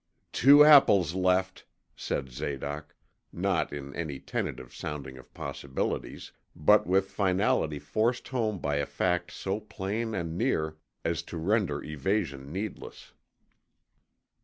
'Two apples left,' said Zadoc, not in any tentative sounding of possibilities, but with finality forced home by a fact so plain and near as to render evasion needless.